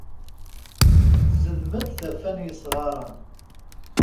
Tezdem-d taffa n yesɣaren.